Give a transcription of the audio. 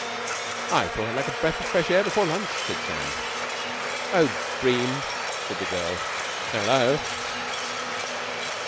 "I thought I'd like a breath of fresh air before lunch," said Sam. "Oh, Bream!" said the girl. "Hello?"